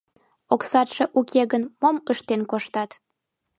Оксатше уке гын, мом ыштен коштат?